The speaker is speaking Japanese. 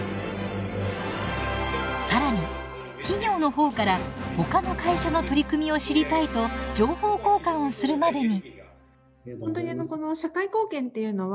更に企業の方からほかの会社の取り組みを知りたいと情報交換をするまでに。